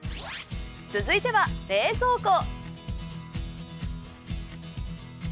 続いては、冷蔵庫。